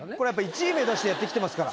１位目指してやってきてますから。